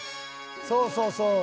そうそうそう。